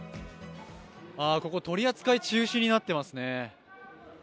ここ取り扱い中止になってますね。